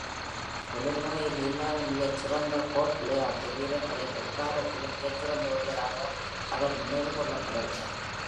தொழில்முறையில் இல்லாத மிகச் சிறந்த கோல்ஃப் விளையாட்டு வீரர்களில் எக்காலத்திலும் மிகச்சிறந்த ஒருவராக அவர் நினைவுகொள்ளப்படுகிறார்.